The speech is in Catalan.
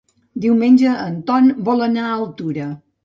Diumenge en Ton vol anar a Altura.